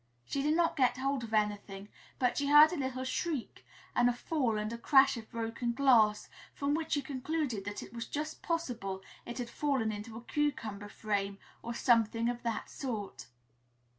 She did not get hold of anything, but she heard a little shriek and a fall and a crash of broken glass, from which she concluded that it was just possible it had fallen into a cucumber frame or something of that sort.